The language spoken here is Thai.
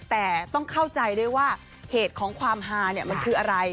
แต่ต้องเข้าใจด้วยว่าเหตุของความฮาเนี่ยมันคืออะไร